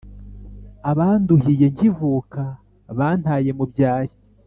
Abanduhiye nkivuka Bantaye mu byahi!